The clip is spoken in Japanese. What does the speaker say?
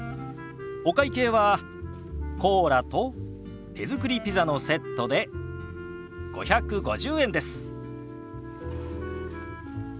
お会計はコーラと手作りピザのセットで５５０円です。